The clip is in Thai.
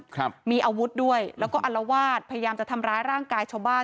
ครับมีอาวุธด้วยแล้วก็อัลวาดพยายามจะทำร้ายร่างกายชาวบ้าน